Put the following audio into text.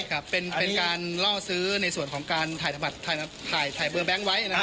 ครับเป็นเป็นการล่อซื้อในส่วนของการถ่ายธรรมดาถ่ายถ่ายเบอร์แบงค์ไว้นะครับ